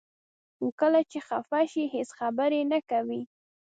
خو کله چې خفه شي هیڅ خبرې نه کوي.